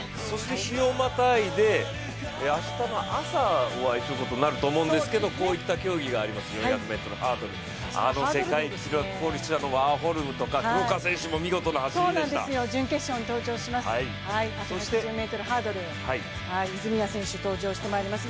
日をまたいで明日の朝、お会いすることになると思うんですけれども、こういった競技があります、４００ｍハードル、あの世界記録保持者のワーホルムとか、黒川選手も見事な走りでした準決勝に登場します。